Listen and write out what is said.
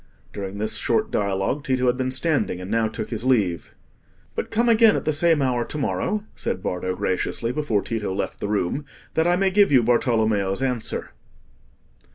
'" During this short dialogue, Tito had been standing, and now took his leave. "But come again at the same hour to morrow," said Bardo, graciously, before Tito left the room, "that I may give you Bartolommeo's answer."